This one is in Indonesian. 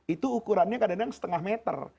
itu ukurannya kadang kadang setengah meter